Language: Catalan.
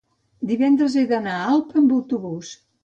divendres he d'anar a Alp amb autobús.